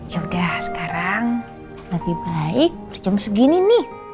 yaudah sekarang lebih baik jam segini nih